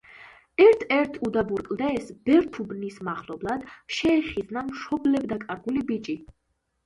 ერთ-ერთ უდაბურ კლდეს, ბერთუბნის მახლობლად, შეეხიზნა მშობლებდაკარგული ბიჭი.